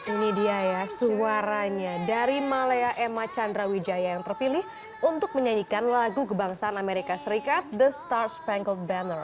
ini dia ya suaranya dari malaya emma chandrawijaya yang terpilih untuk menyanyikan lagu kebangsaan amerika serikat the star spangled banner